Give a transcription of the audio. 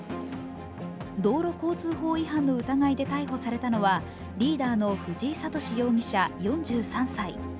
道路交通法違反の疑いで逮捕されたのはリーダーの藤井敏容疑者４３歳。